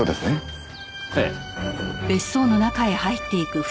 ええ。